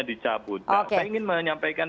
dicabut saya ingin menyampaikan